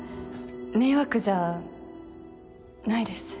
迷惑じゃないです